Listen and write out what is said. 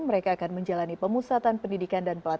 mereka akan menjalani pemusatan pendidikan dan pelatihan